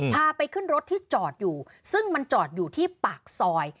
พาไปขึ้นรถที่จอดอยู่ซึ่งมันจอดอยู่ที่ปากซอย